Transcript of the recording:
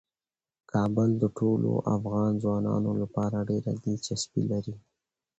کابل د ټولو افغان ځوانانو لپاره ډیره دلچسپي لري.